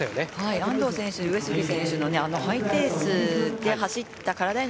安藤選手、上杉選手のあのハイペースで走った体への